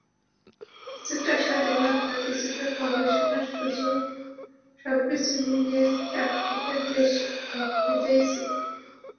কিছুটা স্বাধীনতা, কিছুটা গবেষণার সুযোগ, সবকিছু মিলিয়ে চাকরিটা বেশ আকাঙ্ক্ষিতই ছিল।